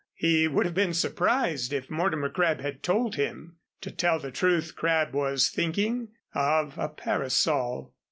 He would have been surprised if Mortimer Crabb had told him. To tell the truth Crabb was thinking of a parasol.